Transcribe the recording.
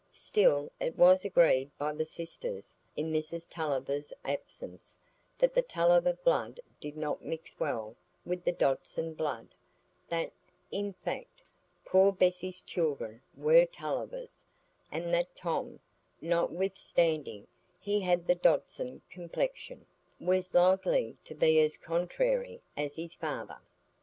Still, it was agreed by the sisters, in Mrs Tulliver's absence, that the Tulliver blood did not mix well with the Dodson blood; that, in fact, poor Bessy's children were Tullivers, and that Tom, notwithstanding he had the Dodson complexion, was likely to be as "contrairy" as his father.